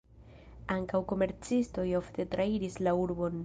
Ankaŭ komercistoj ofte trairis la urbon.